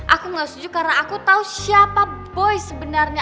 aku gak setuju karena aku tahu siapa boy sebenarnya